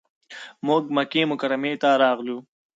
موږ مکې مکرمې ته راغلو.